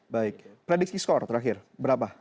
baik prediksi skor terakhir berapa